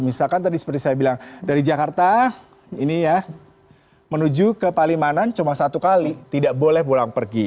misalkan tadi seperti saya bilang dari jakarta ini ya menuju ke palimanan cuma satu kali tidak boleh pulang pergi